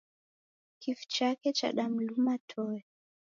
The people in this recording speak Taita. Kifu chake chadamluma toe.